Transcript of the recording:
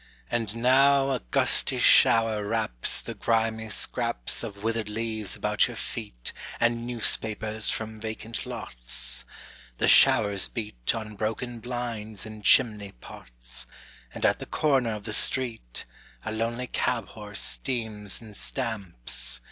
And now a gusty shower wraps The grimy scraps Of withered leaves about your feet And newspapers from vacant lots; The showers beat On broken blinds and chimney pots, And at the corner of the street A lonely cab horse steams and stamps.